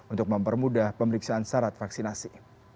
untuk mempermudah pemeriksaan syarat vaksinasi